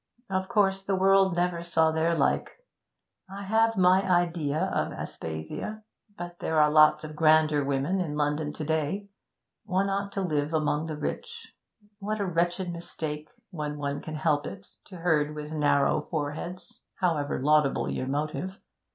Of course the world never saw their like. I have my idea of Aspasia but there are lots of grander women in London to day. One ought to live among the rich. What a wretched mistake, when one can help it, to herd with narrow foreheads, however laudable your motive!